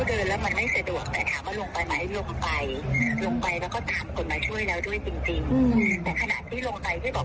แต่ว่าในภาพเนี่ยมันมองไม่เห็นว่าเขาถึงชุดที่มีโครง